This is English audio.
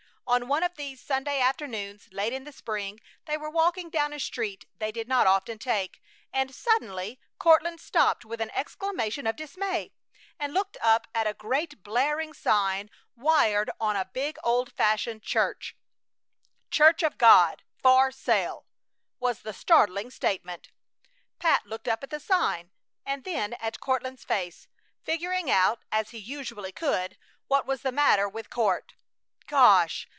On one of these Sunday afternoons late in the spring they were walking down a street they did not often take, and suddenly Courtland stopped with an exclamation of dismay and looked up at a great blaring sign wired on a big old fashioned church: CHURCH OF GOD FOR SALE was the startling statement. Pat looked up at the sign and then at Courtland's face, figuring out, as he usually could, what was the matter with Court. "Gosh!